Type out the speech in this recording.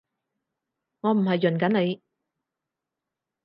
我唔係潤緊你